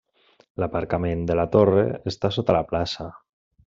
L'aparcament de la torre està sota la plaça.